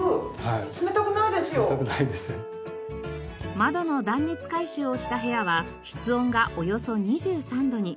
窓の断熱改修をした部屋は室温がおよそ２３度に。